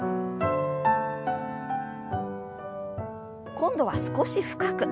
今度は少し深く。